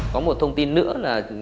có một thông tin nữa là